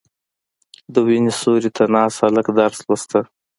• د ونې سیوري ته ناست هلک درس لوسته.